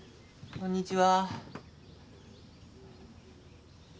こんにちは。